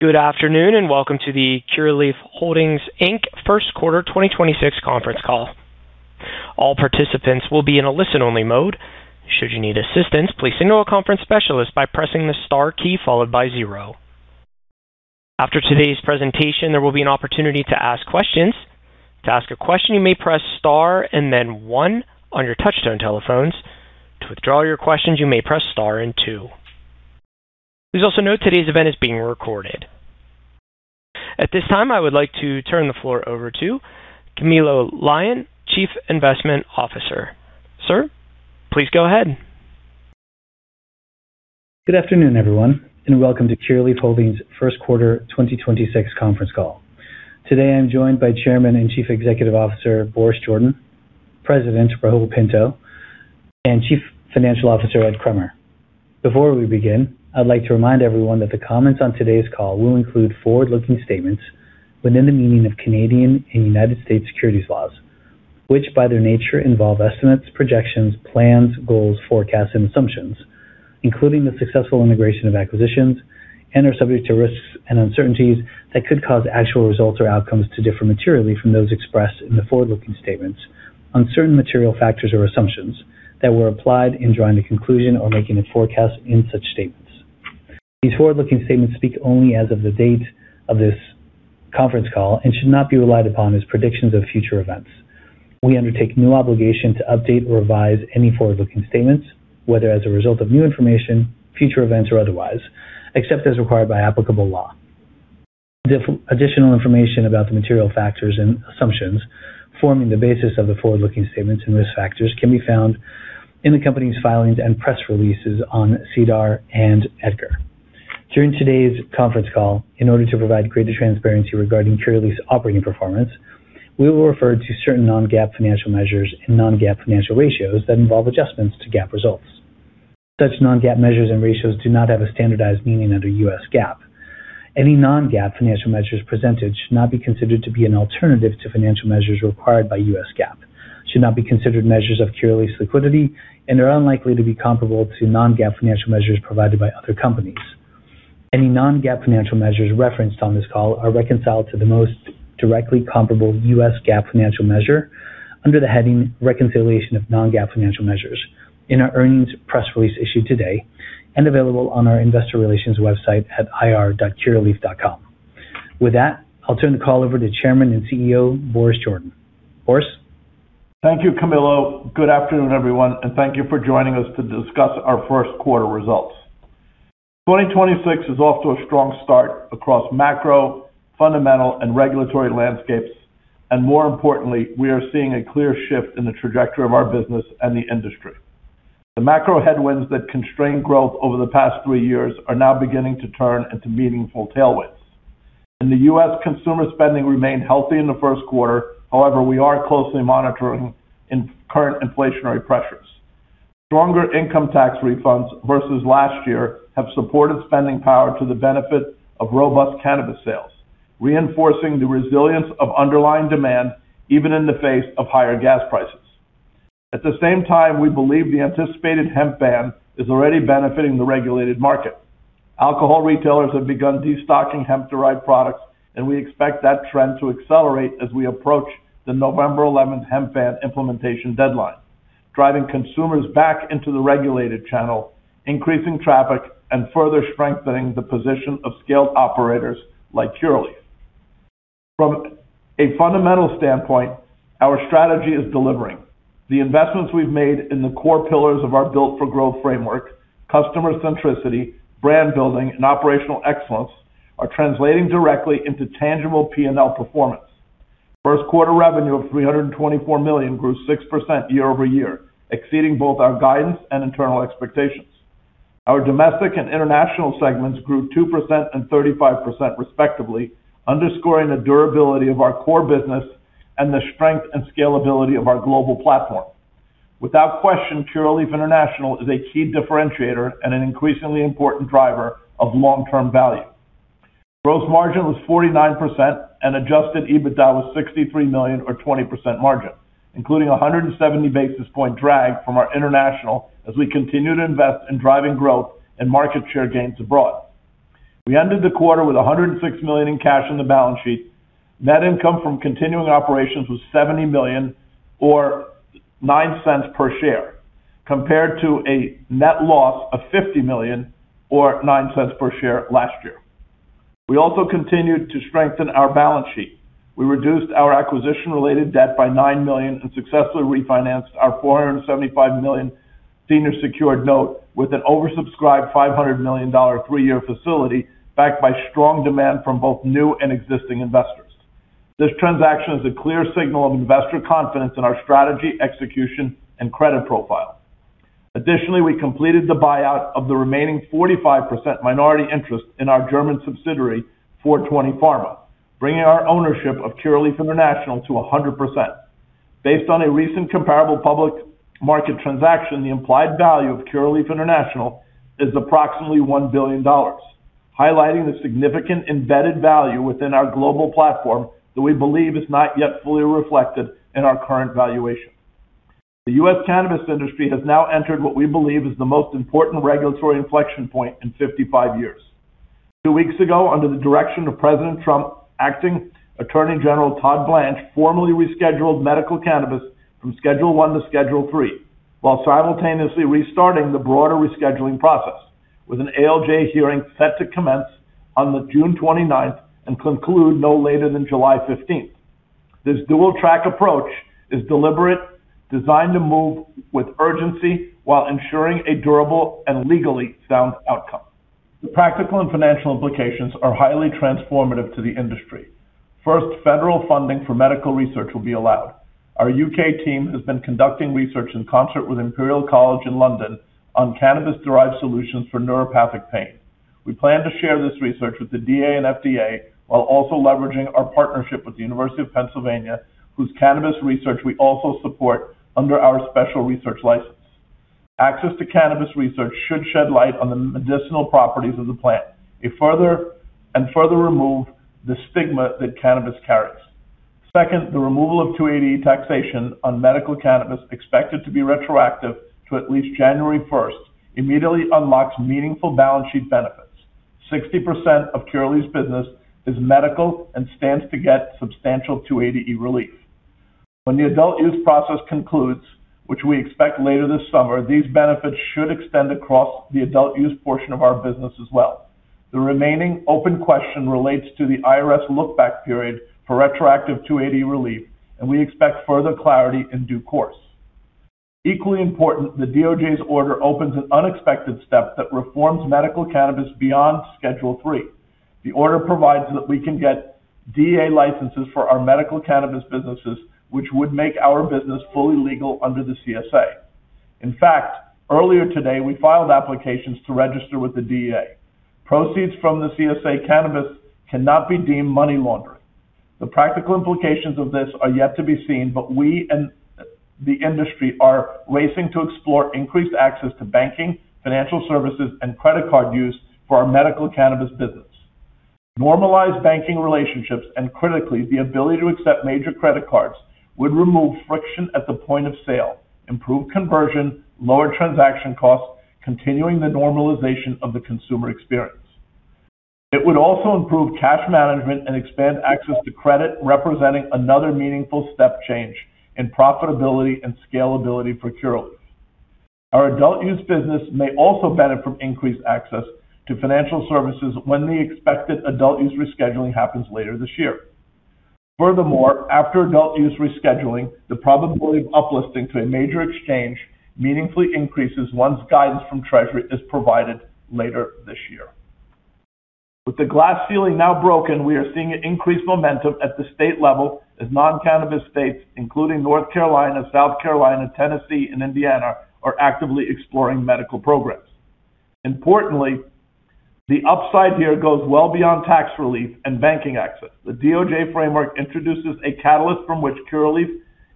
Good afternoon, and welcome to the Curaleaf Holdings, Inc. First Quarter 2026 Conference Call. All participants will be in a listen-only mode. After today's presentation, there will be an opportunity to ask questions. Please also note today's event is being recorded. At this time, I would like to turn the floor over to Camilo Lyon, Chief Investment Officer. Sir, please go ahead. Good afternoon, everyone, and welcome to Curaleaf Holdings First Quarter 2026 conference call. Today, I'm joined by Chairman and Chief Executive Officer, Boris Jordan, President Rahul Sarugaser, and Chief Financial Officer Ed Kremer. Before we begin, I'd like to remind everyone that the comments on today's call will include forward-looking statements within the meaning of Canadian and United States securities laws, which, by their nature, involve estimates, projections, plans, goals, forecasts, and assumptions, including the successful integration of acquisitions, and are subject to risks and uncertainties that could cause actual results or outcomes to differ materially from those expressed in the forward-looking statements on certain material factors or assumptions that were applied in drawing a conclusion or making a forecast in such statements. These forward-looking statements speak only as of the date of this conference call and should not be relied upon as predictions of future events. We undertake no obligation to update or revise any forward-looking statements, whether as a result of new information, future events, or otherwise, except as required by applicable law. Additional information about the material factors and assumptions forming the basis of the forward-looking statements and risk factors can be found in the company's filings and press releases on SEDAR and EDGAR. During today's conference call, in order to provide greater transparency regarding Curaleaf's operating performance, we will refer to certain non-GAAP financial measures and non-GAAP financial ratios that involve adjustments to GAAP results. Such non-GAAP measures and ratios do not have a standardized meaning under U.S. GAAP. Any non-GAAP financial measures presented should not be considered to be an alternative to financial measures required by U.S. GAAP, should not be considered measures of Curaleaf's liquidity, and are unlikely to be comparable to non-GAAP financial measures provided by other companies. Any non-GAAP financial measures referenced on this call are reconciled to the most directly comparable U.S. GAAP financial measure under the heading Reconciliation of Non-GAAP Financial Measures in our earnings press release issued today and available on our investor relations website at ir.curaleaf.com. With that, I'll turn the call over to Chairman and CEO, Boris Jordan. Boris. Thank you, Camilo. Good afternoon, everyone, and thank you for joining us to discuss our first quarter results. 2026 is off to a strong start across macro, fundamental, and regulatory landscapes, and more importantly, we are seeing a clear shift in the trajectory of our business and the industry. The macro headwinds that constrained growth over the past three years are now beginning to turn into meaningful tailwinds. In the U.S., consumer spending remained healthy in the first quarter. However, we are closely monitoring current inflationary pressures. Stronger income tax refunds versus last year have supported spending power to the benefit of robust cannabis sales, reinforcing the resilience of underlying demand even in the face of higher gas prices. At the same time, we believe the anticipated hemp ban is already benefiting the regulated market. Alcohol retailers have begun destocking hemp-derived products. We expect that trend to accelerate as we approach the November 11th hemp ban implementation deadline, driving consumers back into the regulated channel, increasing traffic, and further strengthening the position of scaled operators like Curaleaf. From a fundamental standpoint, our strategy is delivering. The investments we've made in the core pillars of our Built for Growth framework, customer centricity, brand building, and operational excellence, are translating directly into tangible P&L performance. First quarter revenue of $324 million grew 6% year-over-year, exceeding both our guidance and internal expectations. Our domestic and international segments grew 2% and 35% respectively, underscoring the durability of our core business and the strength and scalability of our global platform. Without question, Curaleaf International is a key differentiator and an increasingly important driver of long-term value. Gross margin was 49%, and adjusted EBITDA was $63 million or 20% margin, including a 170 basis point drag from our International as we continue to invest in driving growth and market share gains abroad. We ended the quarter with $106 million in cash on the balance sheet. Net income from continuing operations was $70 million or $0.09 per share, compared to a net loss of $50 million or $0.09 per share last year. We also continued to strengthen our balance sheet. We reduced our acquisition-related debt by $9 million and successfully refinanced our $475 million senior secured note with an oversubscribed $500 million three year facility backed by strong demand from both new and existing investors. This transaction is a clear signal of investor confidence in our strategy, execution, and credit profile. Additionally, we completed the buyout of the remaining 45% minority interest in our German subsidiary, Four 20 Pharma, bringing our ownership of Curaleaf International to 100%. Based on a recent comparable public market transaction, the implied value of Curaleaf International is approximately $1 billion, highlighting the significant embedded value within our global platform that we believe is not yet fully reflected in our current valuation. The U.S. cannabis industry has now entered what we believe is the most important regulatory inflection point in 55 years. two weeks ago, under the direction of President Trump, Acting Attorney General Todd Blanche formally rescheduled medical cannabis from Schedule I to Schedule III, while simultaneously restarting the broader rescheduling process, with an ALJ hearing set to commence on the June 29th and conclude no later than July 15th. This dual-track approach is deliberate, designed to move with urgency while ensuring a durable and legally sound outcome. The practical and financial implications are highly transformative to the industry. First, federal funding for medical research will be allowed. Our U.K. team has been conducting research in concert with Imperial College London on cannabis-derived solutions for neuropathic pain. We plan to share this research with the DEA and FDA, while also leveraging our partnership with the University of Pennsylvania, whose cannabis research we also support under our special research license. Access to cannabis research should shed light on the medicinal properties of the plant and further remove the stigma that cannabis carries. Second, the removal of 280E taxation on medical cannabis, expected to be retroactive to at least January 1st, immediately unlocks meaningful balance sheet benefits. 60% of Curaleaf's business is medical and stands to get substantial 280E relief. When the adult use process concludes, which we expect later this summer, these benefits should extend across the adult use portion of our business as well. The remaining open question relates to the IRS look-back period for retroactive 280E relief, and we expect further clarity in due course. Equally important, the DOJ's order opens an unexpected step that reforms medical cannabis beyond Schedule III. The order provides that we can get DEA licenses for our medical cannabis businesses, which would make our business fully legal under the CSA. In fact, earlier today, we filed applications to register with the DEA. Proceeds from the CSA cannabis cannot be deemed money laundering. The practical implications of this are yet to be seen. We and the industry are racing to explore increased access to banking, financial services, and credit card use for our medical cannabis business. Normalized banking relationships, critically, the ability to accept major credit cards, would remove friction at the point of sale, improve conversion, lower transaction costs, continuing the normalization of the consumer experience. It would also improve cash management and expand access to credit, representing another meaningful step change in profitability and scalability for Curaleaf. Our adult use business may also benefit from increased access to financial services when the expected adult use rescheduling happens later this year. After adult use rescheduling, the probability of up-listing to a major exchange meaningfully increases once guidance from Treasury is provided later this year. With the glass ceiling now broken, we are seeing increased momentum at the state level as non-cannabis states, including North Carolina, South Carolina, Tennessee, and Indiana, are actively exploring medical programs. Importantly, the upside here goes well beyond tax relief and banking access. The DOJ framework introduces a catalyst from which Curaleaf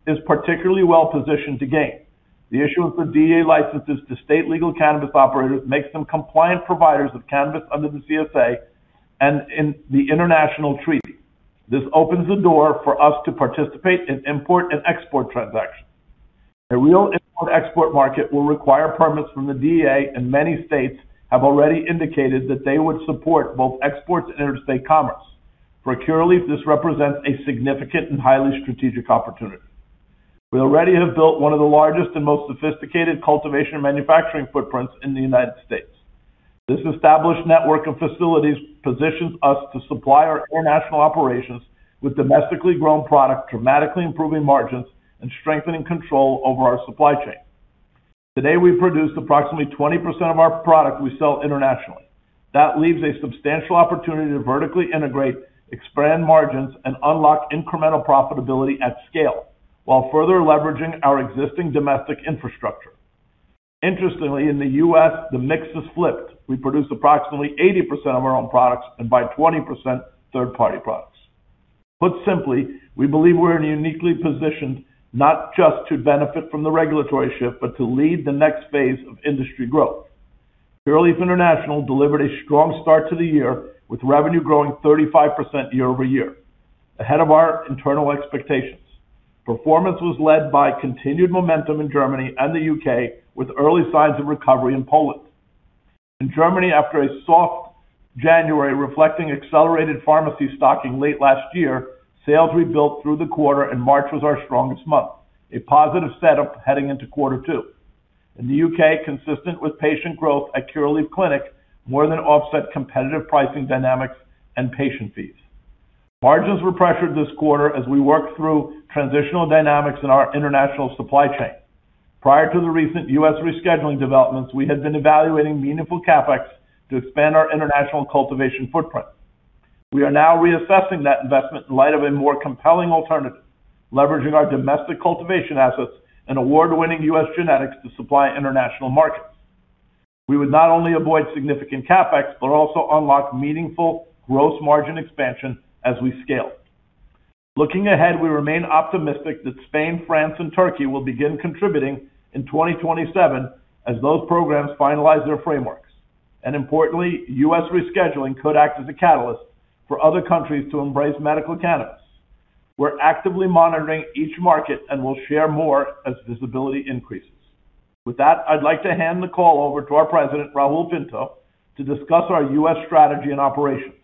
is particularly well-positioned to gain. The issuance of DEA licenses to state legal cannabis operators makes them compliant providers of cannabis under the CSA and in the international treaty. This opens the door for us to participate in import and export transactions. A real import-export market will require permits from the DEA, and many states have already indicated that they would support both exports and interstate commerce. For Curaleaf, this represents a significant and highly strategic opportunity. We already have built one of the largest and most sophisticated cultivation manufacturing footprints in the United States. This established network of facilities positions us to supply our international operations with domestically grown product, dramatically improving margins and strengthening control over our supply chain. Today, we produce approximately 20% of our product we sell internationally. That leaves a substantial opportunity to vertically integrate, expand margins, and unlock incremental profitability at scale, while further leveraging our existing domestic infrastructure. Interestingly, in the U.S., the mix is flipped. We produce approximately 80% of our own products and buy 20% third-party products. Put simply, we believe we're uniquely positioned not just to benefit from the regulatory shift, but to lead the next phase of industry growth. Curaleaf International delivered a strong start to the year, with revenue growing 35% year-over-year, ahead of our internal expectations. Performance was led by continued momentum in Germany and the U.K., with early signs of recovery in Poland. In Germany, after a soft January reflecting accelerated pharmacy stocking late last year, sales rebuilt through the quarter, and March was our strongest month, a positive setup heading into quarter two. In the U.K., consistent with patient growth at Curaleaf Clinic, more than offset competitive pricing dynamics and patient fees. Margins were pressured this quarter as we worked through transitional dynamics in our international supply chain. Prior to the recent U.S. rescheduling developments, we had been evaluating meaningful CapEx to expand our international cultivation footprint. We are now reassessing that investment in light of a more compelling alternative, leveraging our domestic cultivation assets and award-winning U.S. genetics to supply international markets. We would not only avoid significant CapEx, but also unlock meaningful gross margin expansion as we scale. Looking ahead, we remain optimistic that Spain, France, and Turkey will begin contributing in 2027 as those programs finalize their frameworks. Importantly, U.S. rescheduling could act as a catalyst for other countries to embrace medical cannabis. We're actively monitoring each market and will share more as visibility increases. With that, I'd like to hand the call over to our President, Rahul Sarugaser, to discuss our U.S. strategy and operations.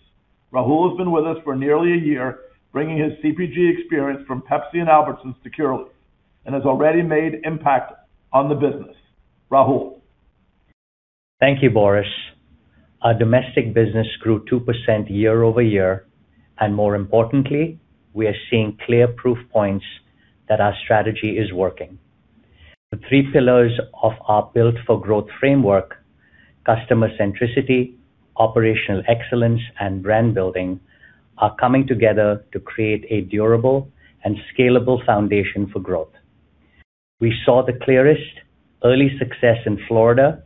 Rahul has been with us for nearly a year, bringing his CPG experience from Pepsi and Albertsons to Curaleaf, and has already made impact on the business. Rahul. Thank you, Boris. Our domestic business grew 2% year-over-year, and more importantly, we are seeing clear proof points that our strategy is working. The three pillars of our Built for Growth framework, customer centricity, operational excellence, and brand building, are coming together to create a durable and scalable foundation for growth. We saw the clearest early success in Florida,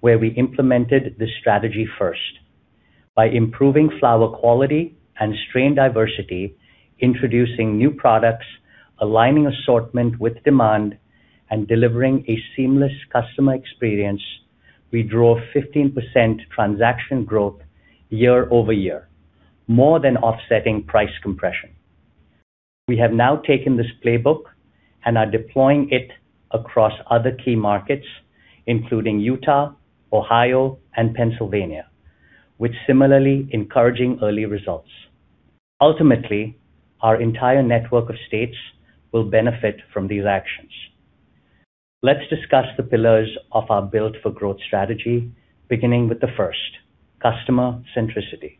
where we implemented this strategy first. By improving flower quality and strain diversity, introducing new products, aligning assortment with demand, and delivering a seamless customer experience, we drove 15% transaction growth year-over-year, more than offsetting price compression. We have now taken this playbook and are deploying it across other key markets, including Utah, Ohio, and Pennsylvania, with similarly encouraging early results. Ultimately, our entire network of states will benefit from these actions. Let's discuss the pillars of our Built for Growth strategy, beginning with the first, customer centricity.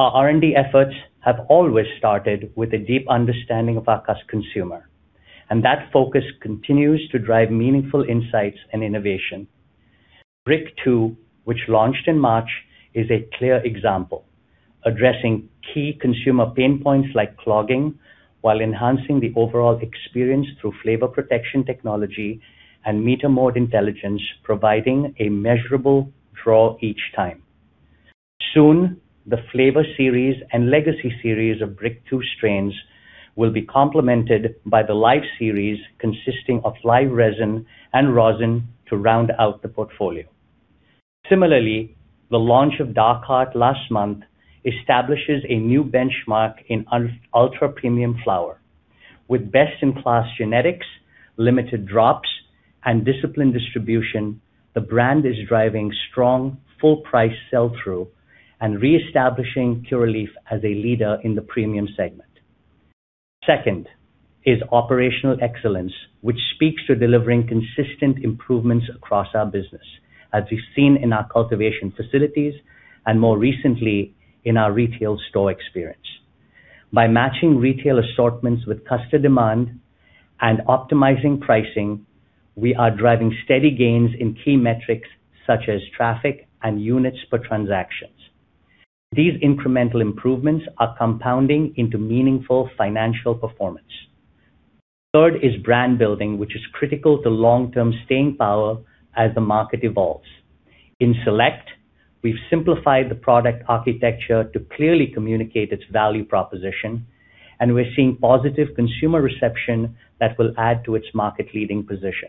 Our R&D efforts have always started with a deep understanding of our consumer, that focus continues to drive meaningful insights and innovation. Briq two, which launched in March, is a clear example, addressing key consumer pain points like clogging, while enhancing the overall experience through flavor protection technology and meter mode intelligence, providing a measurable draw each time. Soon, the Flavor Series and Legacy Series of Briq two strains will be complemented by the Live Series consisting of live resin and rosin to round out the portfolio. Similarly, the launch of Dark Heart last month establishes a new benchmark in ultra-premium flower. With best-in-class genetics, limited drops, and disciplined distribution, the brand is driving strong full-price sell-through and reestablishing Curaleaf as a leader in the premium segment. Second is operational excellence, which speaks to delivering consistent improvements across our business, as we've seen in our cultivation facilities and more recently in our retail store experience. By matching retail assortments with customer demand and optimizing pricing, we are driving steady gains in key metrics such as traffic and units per transactions. These incremental improvements are compounding into meaningful financial performance. Third is brand building, which is critical to long-term staying power as the market evolves. In Select, we've simplified the product architecture to clearly communicate its value proposition, and we're seeing positive consumer reception that will add to its market-leading position.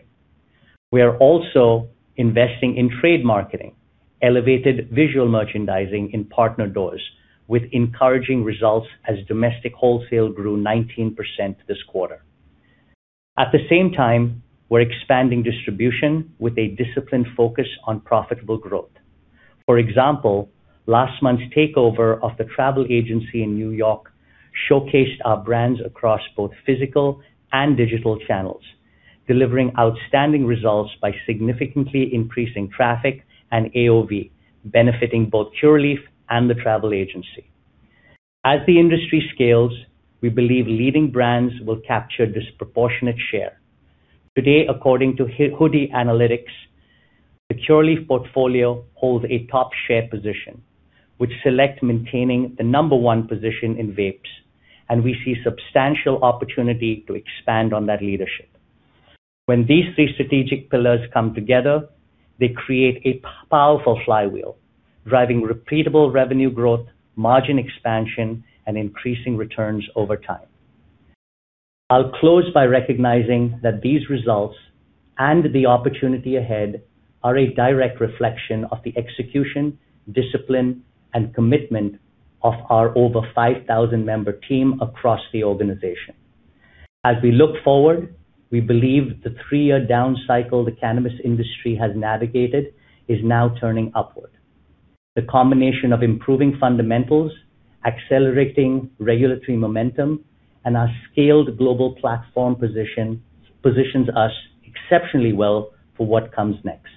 We are also investing in trade marketing, elevated visual merchandising in partner doors, with encouraging results as domestic wholesale grew 19% this quarter. At the same time, we're expanding distribution with a disciplined focus on profitable growth. For example, last month's takeover of The Travel Agency in New York showcased our brands across both physical and digital channels, delivering outstanding results by significantly increasing traffic and AOV, benefiting both Curaleaf and The Travel Agency. As the industry scales, we believe leading brands will capture disproportionate share. Today, according to Headset, the Curaleaf portfolio holds a top share position, with Select maintaining the number one position in vapes, and we see substantial opportunity to expand on that leadership. When these three strategic pillars come together, they create a powerful flywheel, driving repeatable revenue growth, margin expansion, and increasing returns over time. I'll close by recognizing that these results, and the opportunity ahead, are a direct reflection of the execution, discipline, and commitment of our over 5,000-member team across the organization. As we look forward, we believe the three year down cycle the cannabis industry has navigated is now turning upward. The combination of improving fundamentals, accelerating regulatory momentum, and our scaled global platform positions us exceptionally well for what comes next.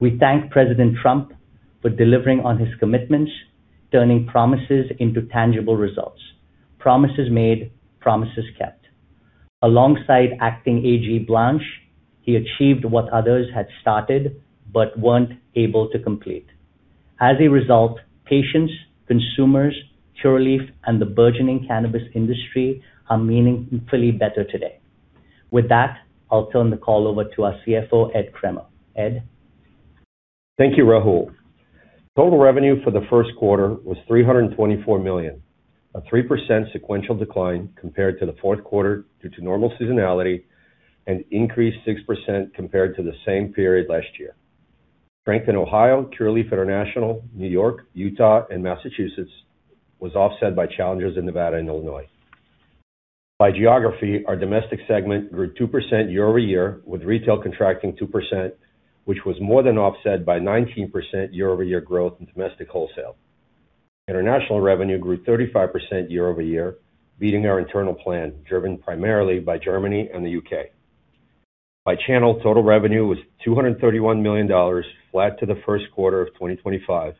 We thank President Trump for delivering on his commitments, turning promises into tangible results. Promises made, promises kept. Alongside acting AG Blanche, he achieved what others had started but weren't able to complete. As a result, patients, consumers, Curaleaf, and the burgeoning cannabis industry are meaningfully better today. With that, I'll turn the call over to our CFO, Ed Kremer. Ed? Thank you, Rahul Total revenue for the first quarter was $324 million, a 3% sequential decline compared to the fourth quarter due to normal seasonality, and increased 6% compared to the same period last year. Strength in Ohio, Curaleaf International, New York, Utah, and Massachusetts was offset by challenges in Nevada and Illinois. By geography, our domestic segment grew 2% year-over-year, with retail contracting 2%, which was more than offset by 19% year-over-year growth in domestic wholesale. International revenue grew 35% year-over-year, beating our internal plan, driven primarily by Germany and the U.K. By channel, total revenue was $231 million, flat to the first quarter of 2025,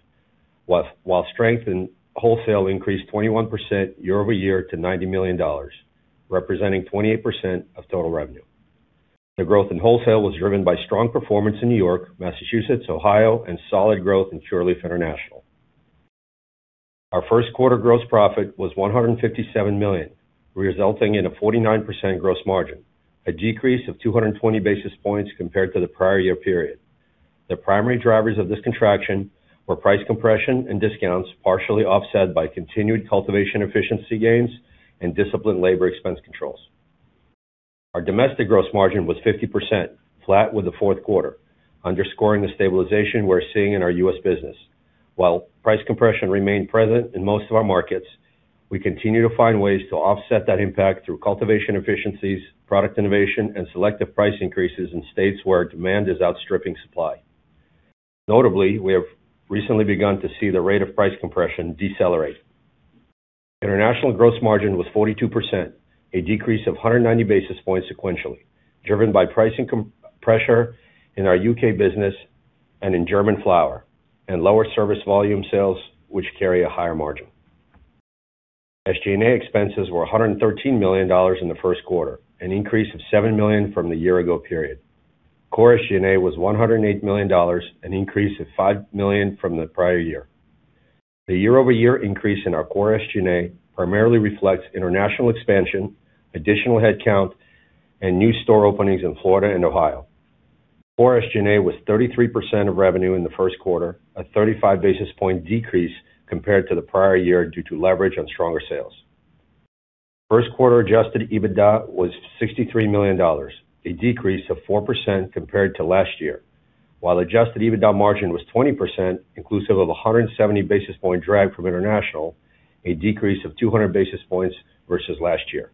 while strength in wholesale increased 21% year-over-year to $90 million, representing 28% of total revenue. The growth in wholesale was driven by strong performance in New York, Massachusetts, Ohio, and solid growth in Curaleaf International. Our first quarter gross profit was $157 million, resulting in a 49% gross margin, a decrease of 220 basis points compared to the prior year period. The primary drivers of this contraction were price compression and discounts, partially offset by continued cultivation efficiency gains and disciplined labor expense controls. Our domestic gross margin was 50% flat with the fourth quarter, underscoring the stabilization we're seeing in our U.S. business. While price compression remained present in most of our markets, we continue to find ways to offset that impact through cultivation efficiencies, product innovation, and selective price increases in states where demand is outstripping supply. Notably, we have recently begun to see the rate of price compression decelerate. International gross margin was 42%, a decrease of 190 basis points sequentially, driven by pricing compression in our U.K. business and in German flower, and lower service volume sales, which carry a higher margin. SG&A expenses were $113 million in the first quarter, an increase of $7 million from the year-ago period. Core SG&A was $108 million, an increase of $5 million from the prior year. The year-over-year increase in our core SG&A primarily reflects international expansion, additional headcount, and new store openings in Florida and Ohio. Core SG&A was 33% of revenue in the first quarter, a 35 basis point decrease compared to the prior year due to leverage on stronger sales. First quarter adjusted EBITDA was $63 million, a decrease of 4% compared to last year, while adjusted EBITDA margin was 20%, inclusive of a 170 basis point drag from international, a decrease of 200 basis points versus last year.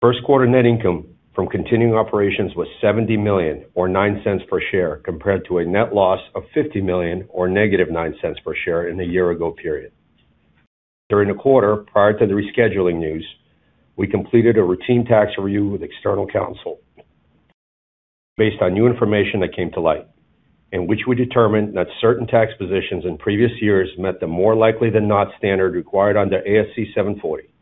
First quarter net income from continuing operations was $70 million or $0.09 per share, compared to a net loss of $50 million or -$0.09 per share in the year ago period. During the quarter, prior to the rescheduling news, we completed a routine tax review with external counsel based on new information that came to light, in which we determined that certain tax positions in previous years met the more likely than not standard required under ASC 740.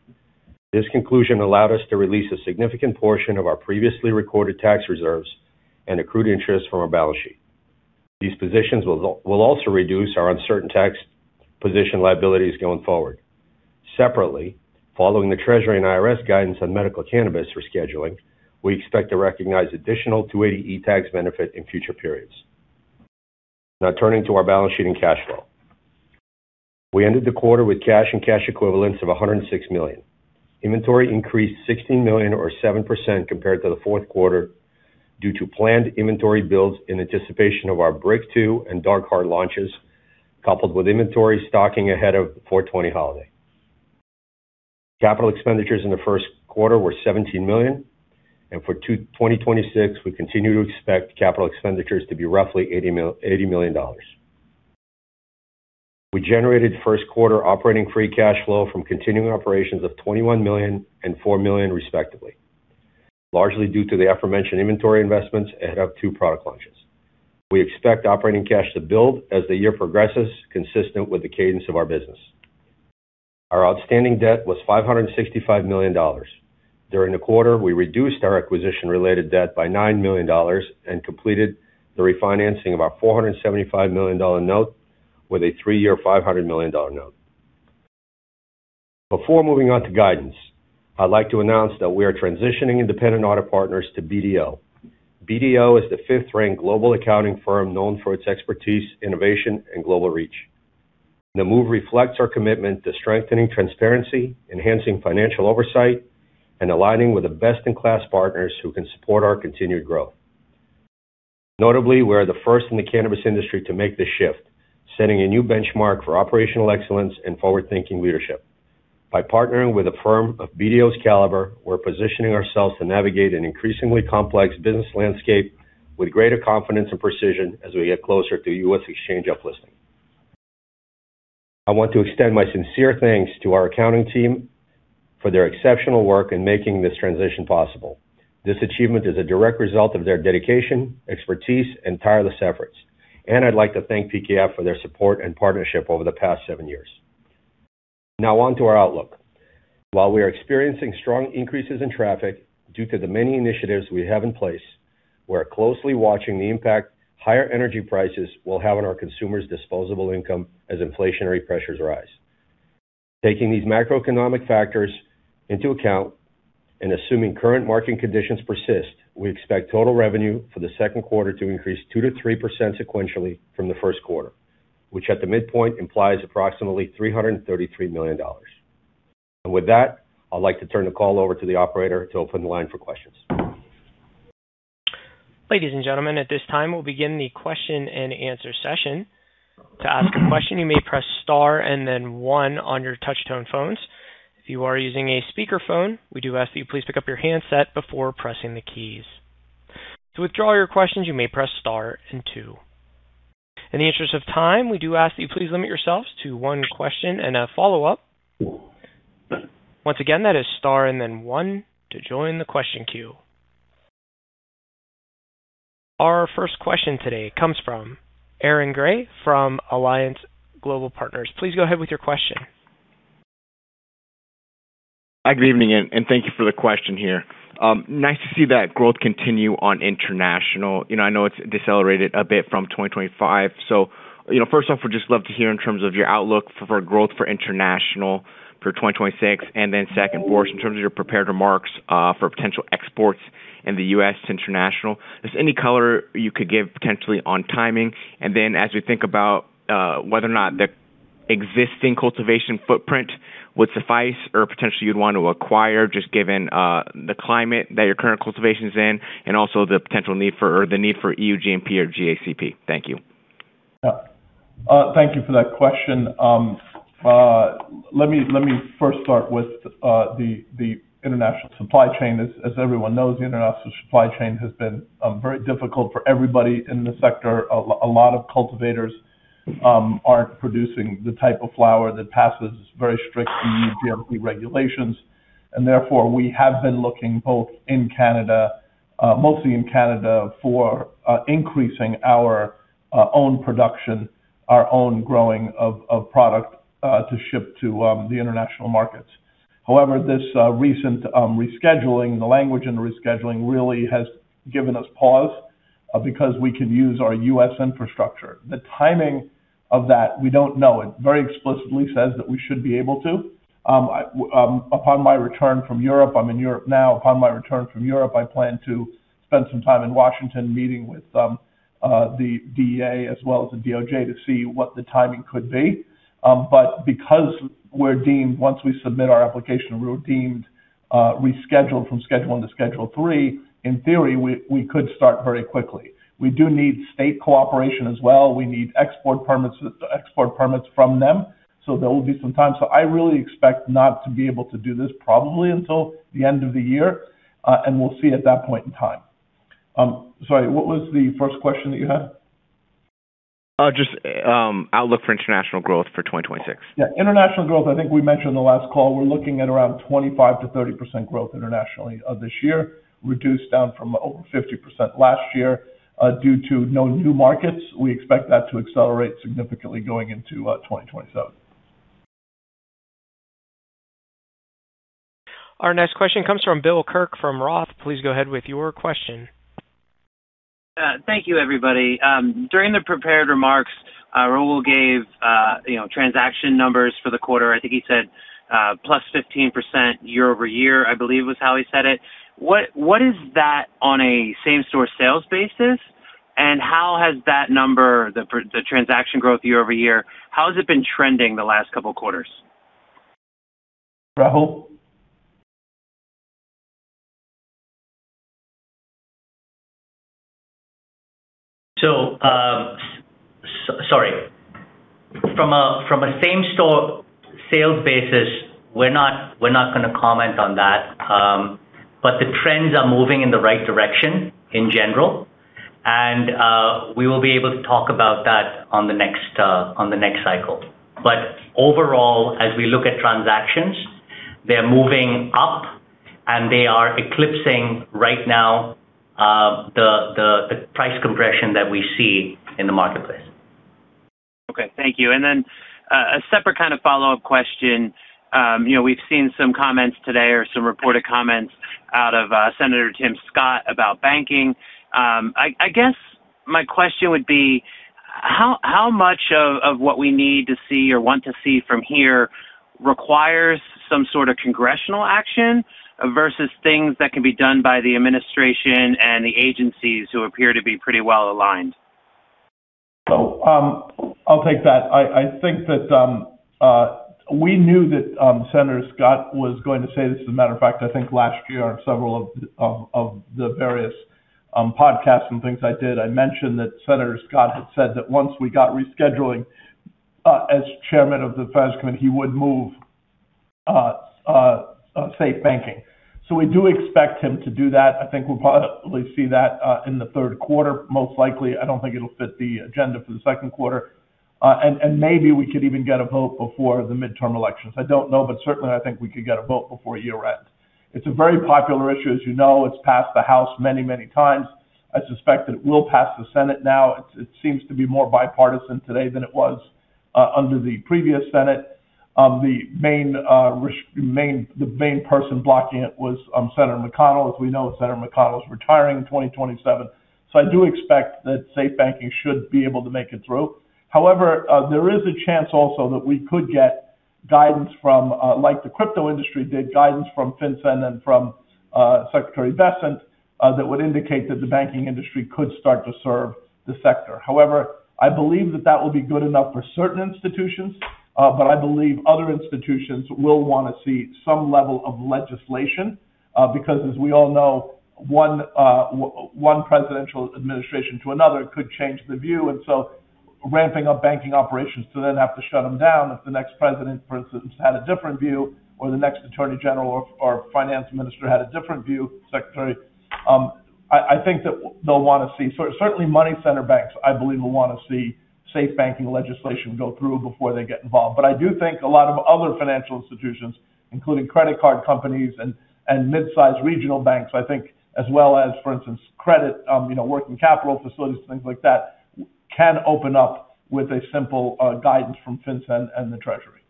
This conclusion allowed us to release a significant portion of our previously recorded tax reserves and accrued interest from our balance sheet. These positions will also reduce our uncertain tax position liabilities going forward. Separately, following the Treasury and IRS guidance on medical cannabis rescheduling, we expect to recognize additional 280E tax benefit in future periods. Now turning to our balance sheet and cash flow. We ended the quarter with cash and cash equivalents of $106 million. Inventory increased $16 million or 7% compared to the fourth quarter due to planned inventory builds in anticipation of our Briq two and Dark Heart launches, coupled with inventory stocking ahead of the 4/20 holiday. Capital expenditures in the first quarter were $17 million, and for 2026, we continue to expect capital expenditures to be roughly $80 million. We generated first quarter operating free cash flow from continuing operations of $21 million and $4 million respectively, largely due to the aforementioned inventory investments and have two product launches. We expect operating cash to build as the year progresses, consistent with the cadence of our business. Our outstanding debt was $565 million. During the quarter, we reduced our acquisition-related debt by $9 million and completed the refinancing of our $475 million note with a three year, $500 million note. Before moving on to guidance, I'd like to announce that we are transitioning independent audit partners to BDO. BDO is the fifth-ranked global accounting firm known for its expertise, innovation, and global reach. The move reflects our commitment to strengthening transparency, enhancing financial oversight, and aligning with the best-in-class partners who can support our continued growth. Notably, we are the first in the cannabis industry to make this shift, setting a new benchmark for operational excellence and forward-thinking leadership. By partnering with a firm of BDO's caliber, we're positioning ourselves to navigate an increasingly complex business landscape with greater confidence and precision as we get closer to U.S. exchange uplisting. I want to extend my sincere thanks to our accounting team for their exceptional work in making this transition possible. This achievement is a direct result of their dedication, expertise, and tireless efforts. I'd like to thank PKF for their support and partnership over the past seven years. Now on to our outlook. While we are experiencing strong increases in traffic due to the many initiatives we have in place, we're closely watching the impact higher energy prices will have on our consumers' disposable income as inflationary pressures rise. Taking these macroeconomic factors into account and assuming current market conditions persist, we expect total revenue for the second quarter to increase 2%-3% sequentially from the first quarter, which at the midpoint implies approximately $333 million. With that, I'd like to turn the call over to the operator to open the line for questions. Our first question today comes from Aaron Grey from Alliance Global Partners. Please go ahead with your question. Hi, good evening, and thank you for the question here. Nice to see that growth continue on international. You know, I know it's decelerated a bit from 2025. You know, first off, would just love to hear in terms of your outlook for growth for international for 2026. Second, for us, in terms of your prepared remarks, for potential exports in the U.S. international, if any color you could give potentially on timing. As we think about, whether or not the existing cultivation footprint would suffice or potentially you'd want to acquire just given, the climate that your current cultivation is in, and also the potential need for or the need for EU GMP or GACP. Thank you. Thank you for that question. Let me first start with the international supply chain. As everyone knows, the international supply chain has been very difficult for everybody in the sector. A lot of cultivators aren't producing the type of flower that passes very strict E.U. GMP regulations. Therefore, we have been looking both in Canada, mostly in Canada for increasing our own production, our own growing of product to ship to the international markets. However, this recent rescheduling, the language and rescheduling really has given us pause because we can use our U.S. infrastructure. The timing of that, we don't know. It very explicitly says that we should be able to. Upon my return from Europe, I'm in Europe now. Upon my return from Europe, I plan to spend some time in Washington meeting with the DEA as well as the DOJ to see what the timing could be. Because we're deemed, once we submit our application, we're deemed rescheduled from Schedule I to Schedule III, in theory, we could start very quickly. We do need state cooperation as well. We need export permits from them. There will be some time. I really expect not to be able to do this probably until the end of the year, and we'll see at that point in time. Sorry, what was the first question that you had? Just outlook for international growth for 2026. Yeah. International growth, I think we mentioned the last call. We're looking at around 25%-30% growth internationally this year, reduced down from over 50% last year due to no new markets. We expect that to accelerate significantly going into 2027. Our next question comes from Bill Kirk from Roth. Please go ahead with your question. Thank you, everybody. During the prepared remarks, Rahul gave, you know, transaction numbers for the quarter. I think he said plus 15% year-over-year, I believe, was how he said it. What is that on a same-store sales basis, and how has that number, the transaction growth year-over-year, been trending the last couple quarters? Rahul? Sorry. From a same-store sales basis, we're not, we're not gonna comment on that. The trends are moving in the right direction in general. We will be able to talk about that on the next on the next cycle. Overall, as we look at transactions, they're moving up, and they are eclipsing right now, the price compression that we see in the marketplace. Okay. Thank you. A separate kind of follow-up question. You know, we've seen some comments today or some reported comments out of Senator Tim Scott about banking. I guess my question would be: how much of what we need to see or want to see from here requires some sort of congressional action versus things that can be done by the administration and the agencies who appear to be pretty well aligned? I'll take that. I think that we knew that Senator Scott was going to say this. As a matter of fact, I think last year on several of the various podcasts and things I did, I mentioned that Senator Scott had said that once we got rescheduling, as chairman of the Finance Committee, he would move SAFE Banking. We do expect him to do that. I think we'll probably see that in the third quarter, most likely. I don't think it'll fit the agenda for the second quarter. Maybe we could even get a vote before the midterm elections. I don't know, but certainly, I think we could get a vote before year-end. It's a very popular issue. As you know, it's passed the House many, many times. I suspect that it will pass the Senate now. It seems to be more bipartisan today than it was under the previous Senate. The main person blocking it was Senator McConnell. As we know, Senator McConnell is retiring in 2027, so I do expect that SAFE Banking should be able to make it through. However, there is a chance also that we could get guidance from like the crypto industry did, guidance from FinCEN and from Secretary Bessent, that would indicate that the banking industry could start to serve the sector. However, I believe that that will be good enough for certain institutions, but I believe other institutions will wanna see some level of legislation, because as we all know, one presidential administration to another could change the view. Ramping up banking operations to then have to shut them down if the next president, for instance, had a different view or the next attorney general or finance minister had a different view, secretary. I think that they'll wanna see certainly money center banks, I believe, will wanna see safe banking legislation go through before they get involved. But I do think a lot of other financial institutions, including credit card companies and mid-sized regional banks, I think, as well as, for instance, credit, you know, working capital facilities, things like that, can open up with a simple guidance from FinCEN and the Treasury.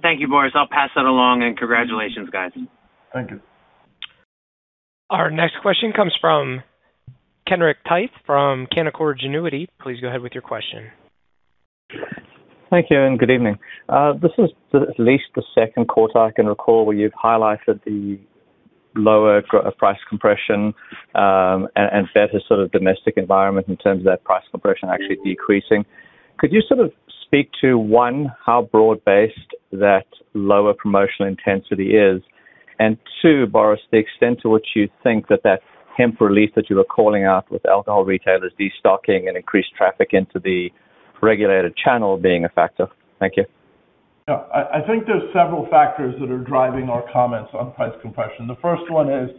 Thank you, Boris. I'll pass that along. Congratulations, guys. Thank you. Our next question comes from Kenric Tyghe from Canaccord Genuity. Please go ahead with your question. Thank you, good evening. This is the at least the second quarter I can recall where you've highlighted the lower price compression, and better sort of domestic environment in terms of that price compression actually decreasing. Could you sort of speak to, one, how broad-based that lower promotional intensity is, and two, Boris, the extent to which you think that that hemp release that you were calling out with alcohol retailers destocking and increased traffic into the regulated channel being a factor? Thank you. Yeah. I think there's several factors that are driving our comments on price compression. The first one is,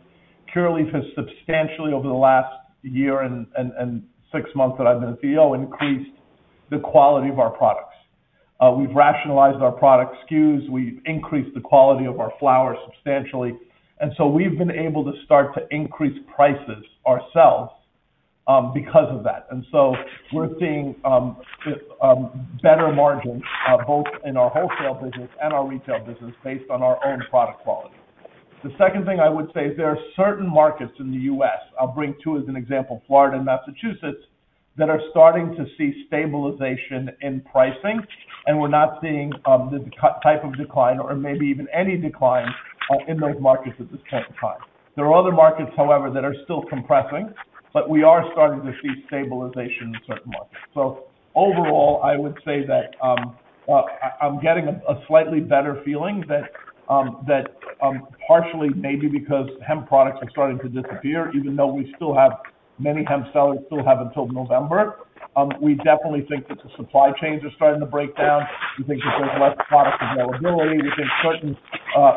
Curaleaf has substantially, over the last year and six months that I've been CEO, increased the quality of our products. We've rationalized our product SKUs, we've increased the quality of our flowers substantially, we've been able to start to increase prices ourselves because of that. We're seeing better margins, both in our wholesale business and our retail business based on our own product quality. The second thing I would say is there are certain markets in the U.S., I'll bring two as an example, Florida and Massachusetts, that are starting to see stabilization in pricing, we're not seeing the type of decline or maybe even any decline in those markets at this point in time. There are other markets, however, that are still compressing. We are starting to see stabilization in certain markets. Overall, I'm getting a slightly better feeling that partially maybe because hemp products are starting to disappear, even though we still have many hemp sellers still have until November. We definitely think that the supply chains are starting to break down. We think that there's less product availability. We think certain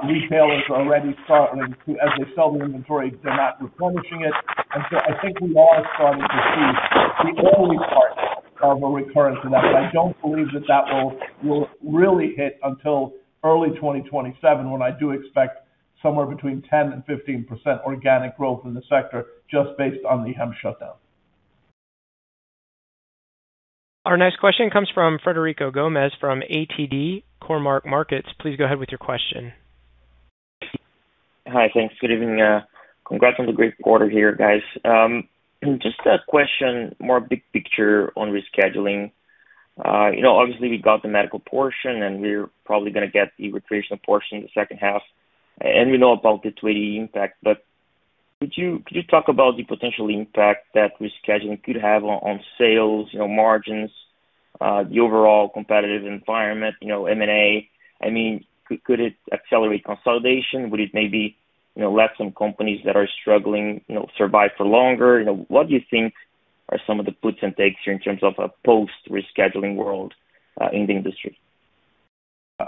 retailers are already starting to, as they sell their inventory, they're not replenishing it. I think we are starting to see the early part of a recurrence of that. I don't believe that that will really hit until early 2027, when I do expect somewhere between 10% and 15% organic growth in the sector just based on the hemp shutdown. Our next question comes from Frederico Gomes from ATB Capital Markets. Please go ahead with your question. Hi. Thanks. Good evening. Congrats on the great quarter here, guys. Just a question, more big picture on rescheduling. You know, obviously we got the medical portion, we're probably gonna get the recreational portion in the second half, and we know about the 280E impact. Could you talk about the potential impact that rescheduling could have on sales, you know, margins, the overall competitive environment, you know, M&A? I mean, could it accelerate consolidation? Would it maybe, you know, let some companies that are struggling, you know, survive for longer? You know, what do you think are some of the puts and takes here in terms of a post-rescheduling world in the industry?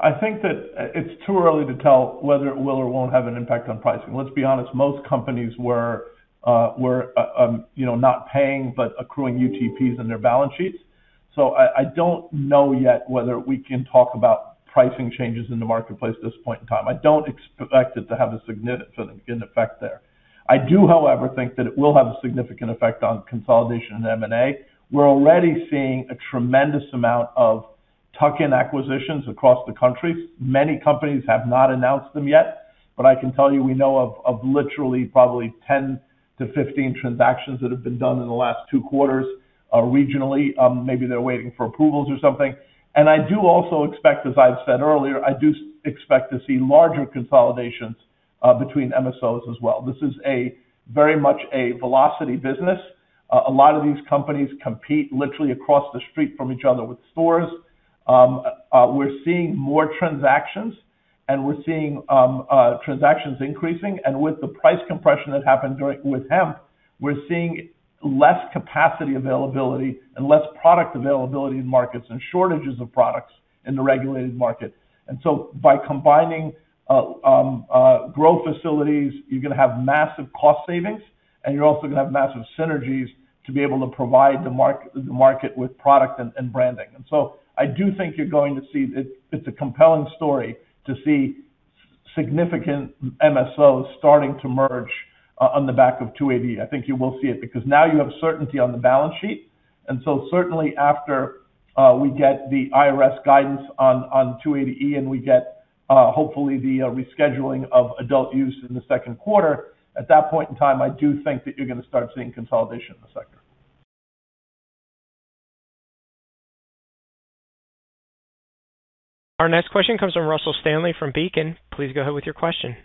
I think that it's too early to tell whether it will or won't have an impact on pricing. Let's be honest, most companies were, you know, not paying but accruing UTPs in their balance sheets. I don't know yet whether we can talk about pricing changes in the marketplace at this point in time. I don't expect it to have a significant effect there. I do, however, think that it will have a significant effect on consolidation and M&A. We're already seeing a tremendous amount of tuck-in acquisitions across the country. Many companies have not announced them yet, but I can tell you we know of literally probably 10-15 transactions that have been done in the last two quarters regionally. Maybe they're waiting for approvals or something. I do also expect, as I've said earlier, I do expect to see larger consolidations between MSOs as well. This is a very much a velocity business. A lot of these companies compete literally across the street from each other with stores. We're seeing more transactions, and we're seeing transactions increasing. With the price compression that happened with hemp, we're seeing less capacity availability and less product availability in markets and shortages of products in the regulated market. By combining growth facilities, you're gonna have massive cost savings, and you're also gonna have massive synergies to be able to provide the market with product and branding. I do think you're going to see it's a compelling story to see significant MSOs starting to merge on the back of 280E. I think you will see it because now you have certainty on the balance sheet. Certainly, after we get the IRS guidance on 280E and we get hopefully the rescheduling of adult use in the second quarter, at that point in time, I do think that you're gonna start seeing consolidation in the sector. Our next question comes from Russell Stanley from Beacon. Please go ahead with your question.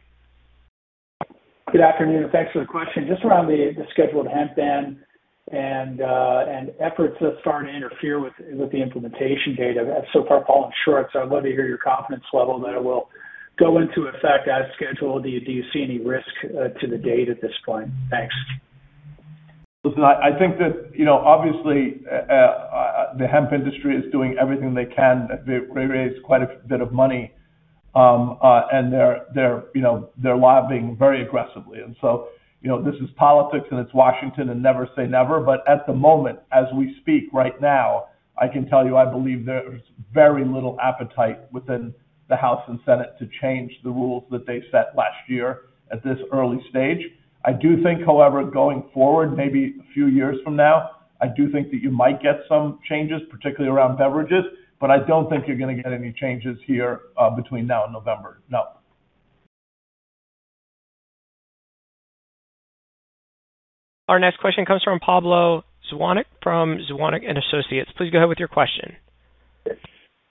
Good afternoon. Thanks for the question. Just around the scheduled hemp ban and efforts thus far to interfere with the implementation date have so far fallen short. I'd love to hear your confidence level that it will go into effect as scheduled. Do you see any risk to the date at this point? Thanks. Listen, I think that, you know, obviously, the hemp industry is doing everything they can. They raised quite a bit of money, and they're, you know, they're lobbying very aggressively. You know, this is politics and it's Washington, and never say never, but at the moment, as we speak right now, I can tell you, I believe there's very little appetite within the House and Senate to change the rules that they set last year at this early stage. I do think, however, going forward, maybe a few years from now, I do think that you might get some changes, particularly around beverages, but I don't think you're gonna get any changes here, between now and November, no. Our next question comes from Pablo Zuanic from Zuanic & Associates. Please go ahead with your question.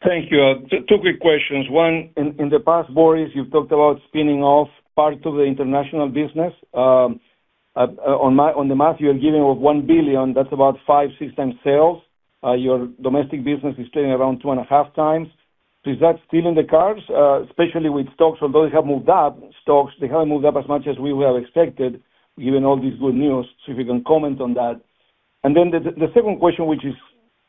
Thank you. Two quick questions. One, in the past, Boris, you've talked about spinning off part of the international business. On the math you are giving of $1 billion, that's about 5, 6x sales. Your domestic business is trading around 2.5x. Is that still in the cards? Especially with stocks, although they have moved up, stocks, they haven't moved up as much as we were expected, given all this good news. If you can comment on that. Then the second question, which is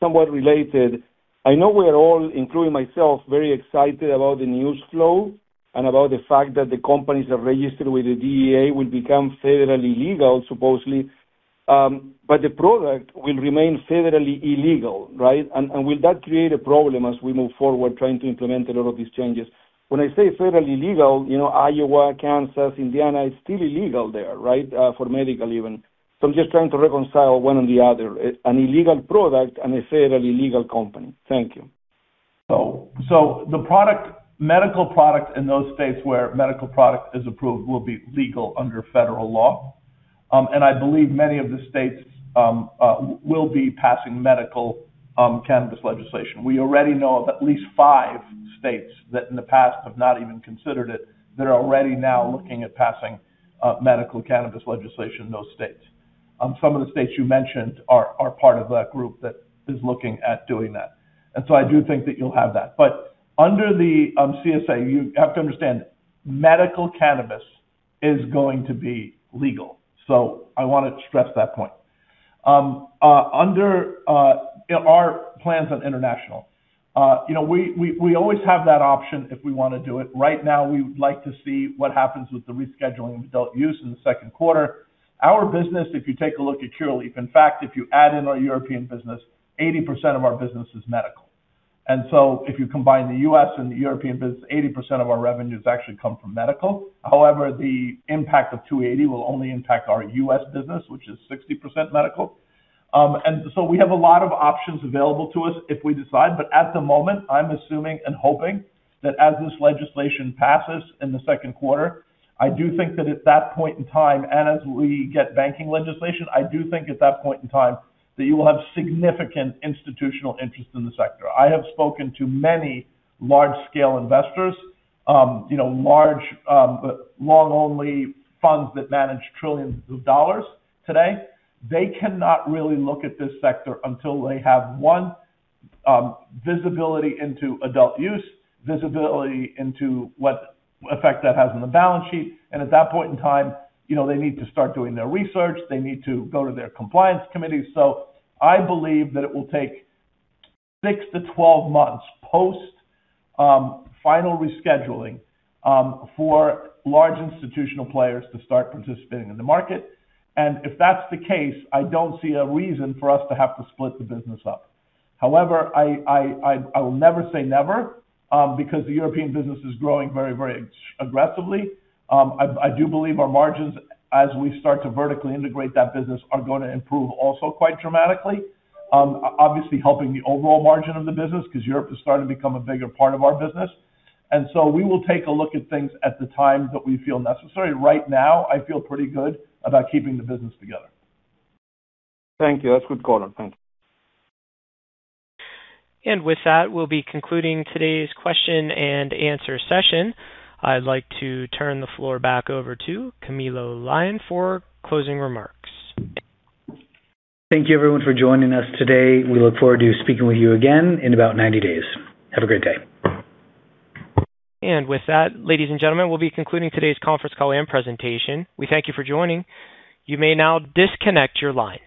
somewhat related, I know we are all, including myself, very excited about the news flow and about the fact that the companies that are registered with the DEA will become federally legal, supposedly. The product will remain federally illegal, right? Will that create a problem as we move forward trying to implement a lot of these changes? When I say federally legal, you know, Iowa, Kansas, Indiana, it's still illegal there, right? For medical even. I'm just trying to reconcile one or the other. It's an illegal product and a federally legal company. Thank you. The product, medical product in those states where medical product is approved will be legal under federal law. I believe many of the states will be passing medical cannabis legislation. We already know of at least five states that in the past have not even considered it, that are already now looking at passing medical cannabis legislation in those states. Some of the states you mentioned are part of that group that is looking at doing that. I do think that you'll have that. Under the CSA, you have to understand, medical cannabis is going to be legal. I want to stress that point. Under our plans on international, you know, we always have that option if we want to do it. Right now, we would like to see what happens with the rescheduling of adult use in the 2nd quarter. Our business, if you take a look at Curaleaf, in fact, if you add in our European business, 80% of our business is medical. If you combine the U.S. and the European business, 80% of our revenues actually come from medical. However, the impact of 280E will only impact our U.S. business, which is 60% medical. We have a lot of options available to us if we decide. At the moment, I'm assuming and hoping that as this legislation passes in the 2nd quarter, I do think that at that point in time, as we get banking legislation, I do think at that point in time that you will have significant institutional interest in the sector. I have spoken to many large scale investors, you know, large, long only funds that manage trillions of dollars today. They cannot really look at this sector until they have, one, visibility into adult use, visibility into what effect that has on the balance sheet. At that point in time, you know, they need to start doing their research. They need to go to their compliance committee. I believe that it will take 6-12 months post final rescheduling for large institutional players to start participating in the market. If that's the case, I don't see a reason for us to have to split the business up. However, I will never say never because the European business is growing very, very aggressively. I do believe our margins, as we start to vertically integrate that business, are going to improve also quite dramatically. Obviously helping the overall margin of the business because Europe is starting to become a bigger part of our business. We will take a look at things at the time that we feel necessary. Right now, I feel pretty good about keeping the business together. Thank you. That's good color. Thank you. With that, we'll be concluding today's question and answer session. I'd like to turn the floor back over to Camilo Lyon for closing remarks. Thank you everyone for joining us today. We look forward to speaking with you again in about 90 days. Have a great day. With that, ladies and gentlemen, we'll be concluding today's Conference call and presentation. We thank you for joining. You may now disconnect your line.